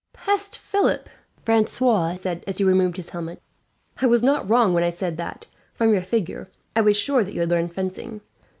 "Peste, Philip!" Francois said, as he removed his helmet. "I was not wrong when I said that, from your figure, I was sure that you had learned fencing.